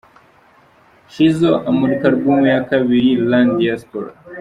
Shizzo amurika album ye ya kabiri 'Run Diaspora'.